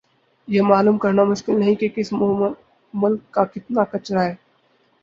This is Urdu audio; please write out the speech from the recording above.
یہ معلوم کرنا مشکل نہیں کہ کس ملک کا کتنا کچرا ھے